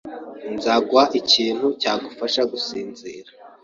Nzaguha ikintu cyagufasha gusinzira.